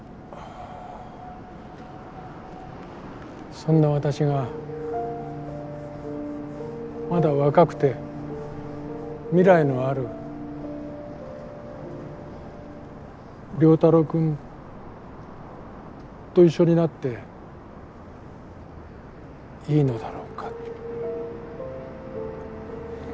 そんな私がまだ若くて未来のある良太郎くんと一緒になっていいのだろうか？